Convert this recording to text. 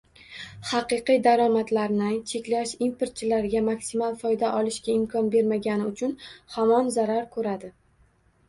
Haqiqiy daromadlarni cheklash importchilarga maksimal foyda olishiga imkon bermagani uchun hamon zarar ko'radi